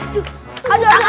cuk ayo ajak